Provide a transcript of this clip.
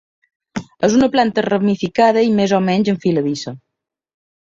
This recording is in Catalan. És una planta ramificada i més o menys enfiladissa.